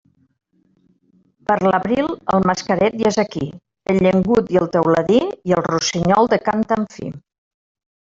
Per l'abril, el mascaret ja és aquí, el llengut i el teuladí i el rossinyol de cant tan fi.